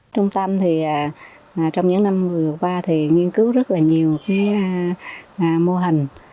trung tâm trong những năm vừa qua nghiên cứu rất nhiều mô hình